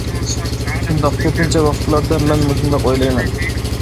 شۇنداق، كۆپىنچە ۋاقىتلاردا مەن مۇشۇنداق ئويلايمەن.